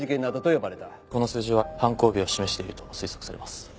この数字は犯行日を示していると推測されます。